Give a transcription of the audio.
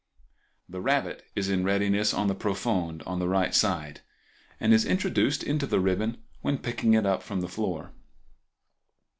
The rabbit is in readiness in the profonde on the right side, and is introduced into the ribbon when picking it up from the floor.